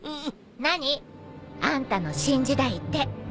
何？あんたの新時代って。